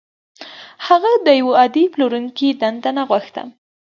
هغه د يوه عادي پلورونکي دنده نه غوښته.